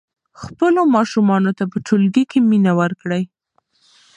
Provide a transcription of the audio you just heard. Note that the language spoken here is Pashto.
خپلو ماشومانو ته په ټولګي کې مینه ورکړئ.